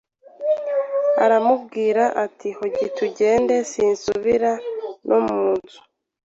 aramusubiza ati hogi tugende sinsubira no mu nzu